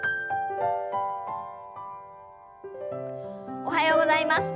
おはようございます。